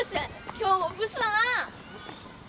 今日もブスだなあ